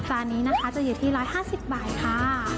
ตอนนี้จะอยู่ที่๑๕๐บาทค่ะ